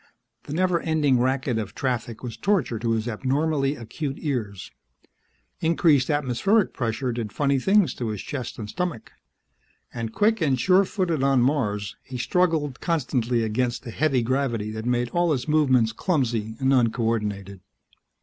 The never ending racket of traffic was torture to his abnormally acute ears. Increased atmospheric pressure did funny things to his chest and stomach. And quick and sure footed on Mars, he struggled constantly against the heavy gravity that made all his movements clumsy and uncoordinated.